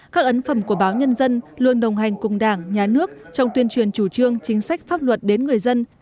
các ấn phẩm của báo nhân dân luôn đồng hành cùng đảng nhà nước trong tuyên truyền chủ trương chính sách pháp luật đến người dân